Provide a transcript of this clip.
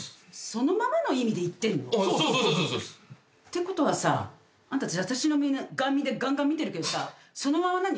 そのままの意味で言ってんの⁉てことはさあんたたち私の胸がんがん見てるけどさそのまま何？